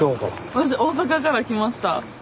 私大阪から来ました。